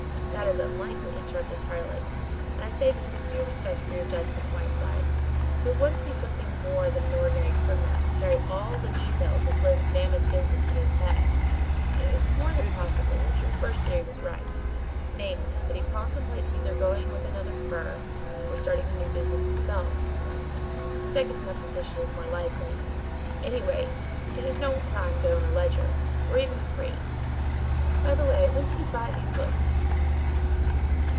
"That is unlikely," interrupted Tarling, "and I say this with due respect for your judgment, Whiteside. It would want to be something more than an ordinary criminal to carry all the details of Lyne's mammoth business in his head, and it is more than possible that your first theory was right, namely, that he contemplates either going with another firm, or starting a new business of his own. The second supposition is more likely. Anyway, it is no crime to own a ledger, or even three. By the way, when did he buy these books?"